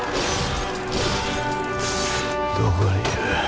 どこにいる？